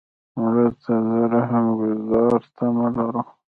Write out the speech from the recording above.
مړه ته د رحم ګذار تمه لرو